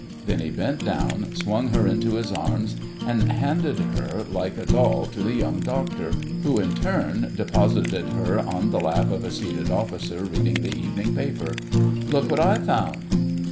Then he bent down, swung her into his arms, and handed her like a doll to the Young Doctor, who in turn deposited her on the lap of a seated Officer reading the evening paper. "Look what I've found."